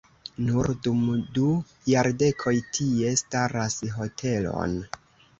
Nur dum du jardekoj tie staras hotelon.